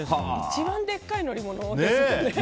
一番でっかい乗り物をね。